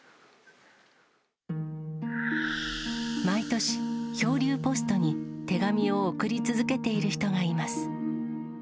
毎年、漂流ポストに手紙を送り続けている人がいます。